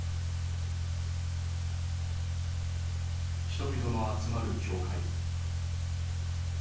人々の集まる教会。